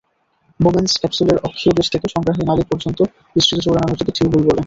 Bowman's ক্যাপসুলের অক্ষীয়দেশ থেকে সংগ্রহী নালী পর্যন্ত বিস্তৃত চওড়া নালীটিকে টিউব্যুল বলে।